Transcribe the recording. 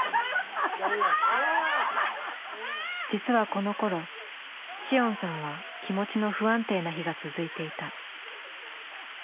実はこのころ紫桜さんは気持ちの不安定な日が続いていた。